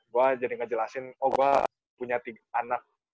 gue jadi ngejelasin oh gue punya tiga anak